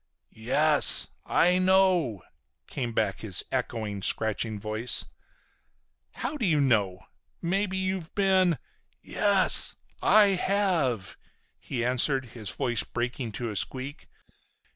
"Yes, I know!" came back his echoing, scratching voice. "How do you know? Maybe you've been—?" "Yes, I have!" he answered, his voice breaking to a squeak.